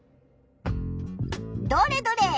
どれどれ？